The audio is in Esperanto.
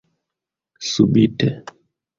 Subite.